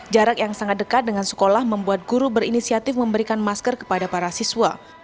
jarak yang sangat dekat dengan sekolah membuat guru berinisiatif memberikan masker kepada para siswa